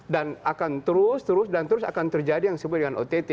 dan akan terus terus dan terus akan terjadi yang disebut dengan ott